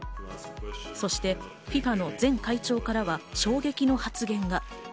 そしてＦＩＦＡの前会長からは衝撃の発言が。